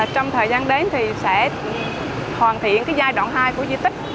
trong thời gian đến thì sẽ hoàn thiện giai đoạn hai của di tích